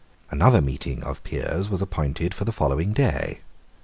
Another meeting of Peers was appointed for the following day.